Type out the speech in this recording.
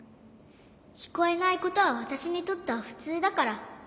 きこえないことはわたしにとってはふつうだから。